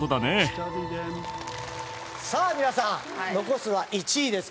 さあ皆さん残すは１位ですけど。